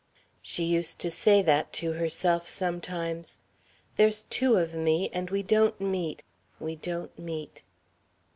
She used to say that to herself sometimes, "There's two of me, and we don't meet we don't meet."